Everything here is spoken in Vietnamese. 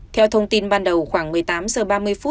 theo thông tin ban đầu khoảng một mươi tám h ba mươi phút